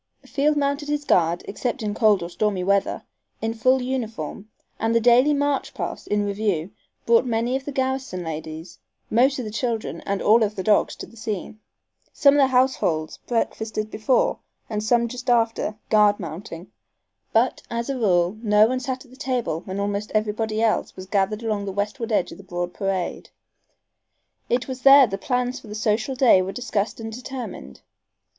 Field mounted his guard, except in cold or stormy weather, in full uniform, and the daily "march past" in review brought many of the garrison ladies, most of the children and all of the dogs to the scene. Some of the households breakfasted just before, some just after guard mounting, but, as a rule, no one sat at table when almost everybody else was gathered along the westward edge of the broad parade. It was there the plans for the social day were discussed and determined.